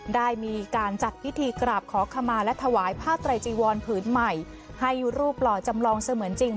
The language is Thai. ได้มีการจัดพิธีกราบขอขมาและถวายผ้าไตรจีวรผืนใหม่ให้รูปหล่อจำลองเสมือนจริง